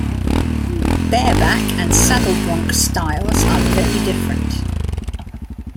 Bareback and Saddle bronc styles are very different.